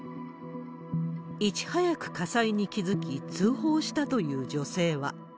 いち早く火災に気付き、通報したという女性は。